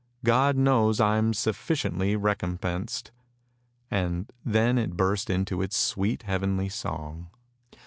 God knows I am sufficiently recompensed! " and then it again burst into its sweet heavenly song.